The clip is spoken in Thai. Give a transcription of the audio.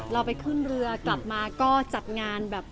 เราไปขึ้นเรือกลับมาก็จัดงานแบบ